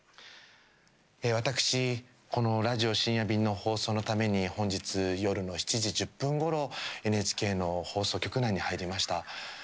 え私この「ラジオ深夜便」の放送のために本日夜の７時１０分ごろＮＨＫの放送局内に入りました。